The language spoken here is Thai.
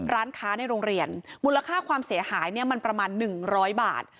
ร้านค้าในโรงเรียนมูลค่าความเสียหายมันประมาณ๑๐๐บาท